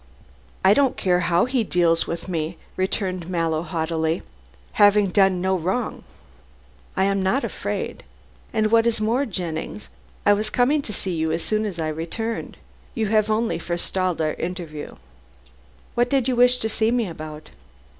"I don't care how he deals with me," returned Mallow, haughtily; "having done no wrong, I am not afraid. And, what is more, Jennings, I was coming to see you as soon as I returned. You have only forestalled our interview." "What did you wish to see me about?"